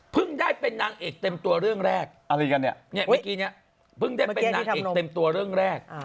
เพิ่งได้เป็นนางเอกเต็มตัวเรื่องแรก